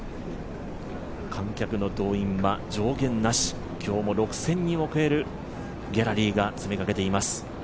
観客の動員は上限なし、今日も６０００人を超えるギャラリーが詰めかけています。